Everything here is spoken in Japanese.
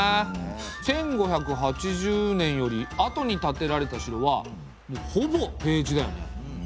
１５８０年よりあとに建てられた城はほぼ平地だよね。